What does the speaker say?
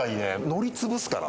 乗りつぶすから。